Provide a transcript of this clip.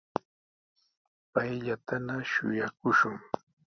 Payllatana shuyaakushun.